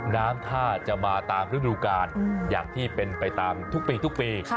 น้ำท่าจะมาตามฤดูกาลอย่างที่เป็นไปตามทุกปีทุกปี